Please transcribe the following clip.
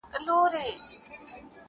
خپل اولاد وږي زمري ته په خوله ورکړم!.